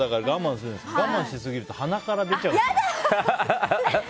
我慢しすぎると鼻から出ちゃうんです。